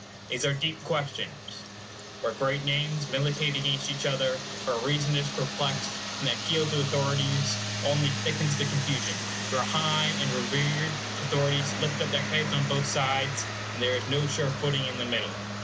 These are deep questions, where great names militate against each other, where reason is perplexed, and an appeal to authorities only thickens the confusion; for high and reverend authorities lift up their heads on both sides, and there is no sure footing in the middle.